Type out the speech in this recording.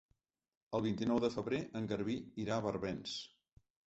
El vint-i-nou de febrer en Garbí irà a Barbens.